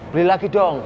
beli lagi dong